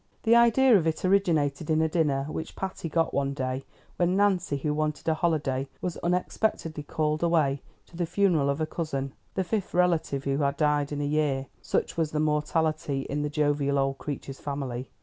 The idea of it originated in a dinner which Patty got one day, when Nancy, who wanted a holiday, was unexpectedly called away to the funeral of a cousin, the fifth relative who had died in a year, such was the mortality in the jovial old creature's family.